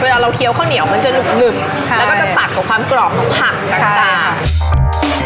เวลาเราเคี่ยวข้าวเหนียวมันจะหนึบแล้วก็จะสักกว่าความกรองของผักค่ะใช่